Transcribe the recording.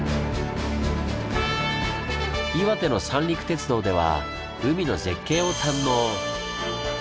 岩手の三陸鉄道では海の絶景を堪能。